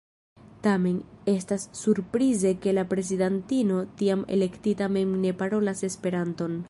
Tamen, estas surprize ke la prezidantino tiam elektita mem ne parolas Esperanton.